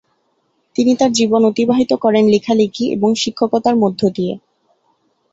তিনি তার জীবন অতিবাহিত করেন লেখালেখি এবং শিক্ষকতা মধ্য দিয়ে।